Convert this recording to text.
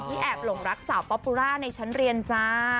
แอบหลงรักสาวป๊อปปุร่าในชั้นเรียนจ้า